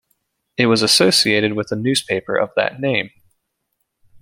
It was associated with a newspaper of that name.